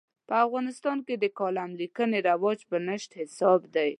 په افغانستان کې د کالم لیکنې رواج په نشت حساب دی.